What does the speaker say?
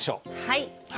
はい。